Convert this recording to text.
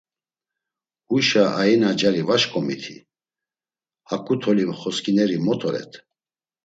Huyşa aina cari va şǩomiti, haǩu toli xosǩineri mot oret?